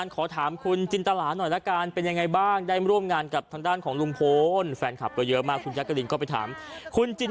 กระแสเพลงปล่อง่อน